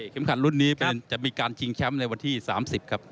คันรุ่นนี้จะมีการชิงแชมป์ในวันที่๓๐ครับ